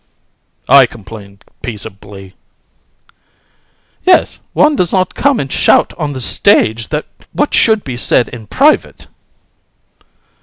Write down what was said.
HAR. I complain peaceably! COUN. Yes; one does not come and shout on the stage what should be said in private.